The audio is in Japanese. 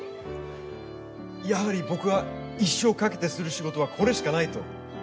やはり僕が一生をかけてする仕事はこれしかないと。